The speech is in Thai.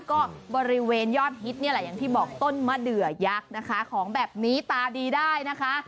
ก็บริเวณยอดฮิตนี่แหละอย่างที่บอกต้นมะเดือยักษ์นะคะของแบบนี้ตาดีได้นะคะ